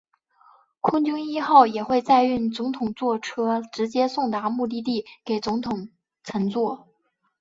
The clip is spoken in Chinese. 空军一号也会载运总统座车直接送达目的地给总统乘坐。